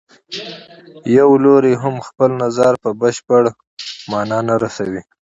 یو لوری هم خپل نظر په بشپړه معنا نه رسوي.